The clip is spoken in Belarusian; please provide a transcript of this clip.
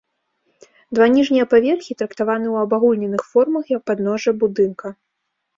Два ніжнія паверхі трактаваны ў абагульненых формах як падножжа будынка.